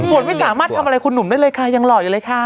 ส่วนไม่สามารถทำอะไรคุณหนุ่มได้เลยค่ะยังหล่ออยู่เลยค่ะ